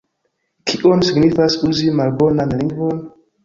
Kion signifas uzi malbonan lingvon?